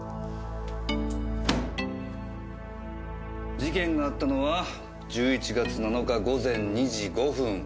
事件があったのは１１月７日午前２時５分。